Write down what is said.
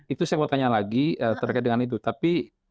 itu saya mau tanya lagi terkait dengan itu tapi